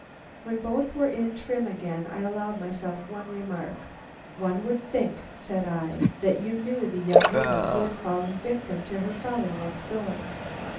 When both were in trim again I allowed myself one remark. "One would think," said I, "that you knew the young woman who has fallen victim to her folly next door."